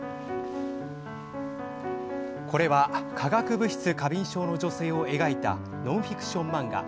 これは化学物質過敏症の女性を描いたノンフィクション漫画。